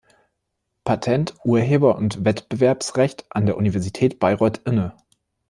Patent-, Urheber- und Wettbewerbsrecht an der Universität Bayreuth inne.